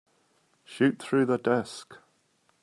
Shoot through the desk.